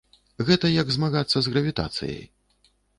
Гэта як змагацца з гравітацыяй.